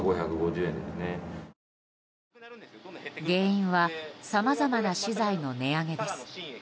原因はさまざまな資材の値上げです。